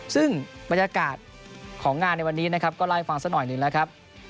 ซึ่งบรรยากาศของงานในวันนี้นะครับก็เล่าให้ฟังสักหน่อยหนึ่งแล้วครับ